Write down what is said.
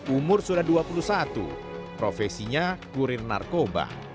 umur sudah dua puluh satu profesinya kurir narkoba